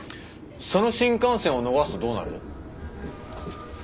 その新幹線を逃すとどうなる？